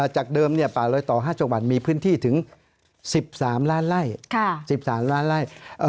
จากเดิมป่าลอยต่อ๕จังหวัดมีพื้นที่ถึง๑๓ล้านไร่